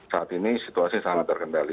saat ini situasi sangat terkendali